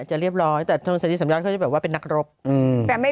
สารพรรคโกพรรคกานดุอะแม่